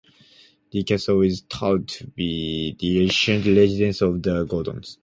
Dee Castle is thought to be the ancient residence of the Gordons.